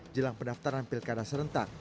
jelang pendaftaran pilkada serentak